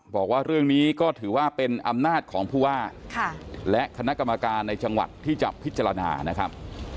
บอกว่าเรื่องนี้ก็ถือว่าเป็นอำนาจของผู้ว่าและคณะกรรมการในจังหวัดที่จะพิจารณานะครับ